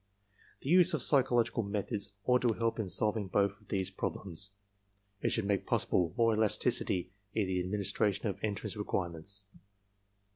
"The use of psychological methods ought to help in solving both of these problems. It should make possible more elasticity in the administration of entrance requirements.